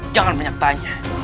jangan banyak tanya